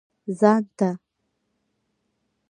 ځان ته.